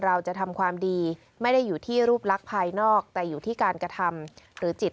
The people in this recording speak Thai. เราจะทำความดีไม่ได้อยู่ที่รูปลักษณ์ภายนอกแต่อยู่ที่การกระทำหรือจิต